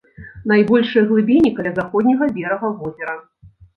Найбольшыя глыбіні каля заходняга берага возера.